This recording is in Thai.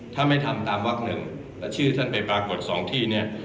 ถ้าไม่ทำตามวักหนึ่งแล้วชื่อท่านไปปรากฏสองที่เนี่ย